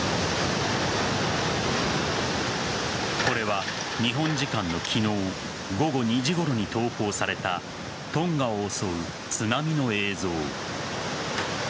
これは日本時間の昨日午後２時ごろに投稿されたトンガを襲う津波の映像。